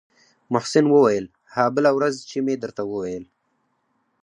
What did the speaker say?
محسن وويل ها بله ورځ چې مې درته وويل.